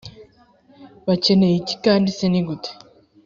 bakeneye iki kandi se ni gute